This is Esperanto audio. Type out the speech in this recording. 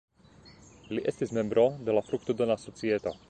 Li estis membro de la Fruktodona Societo.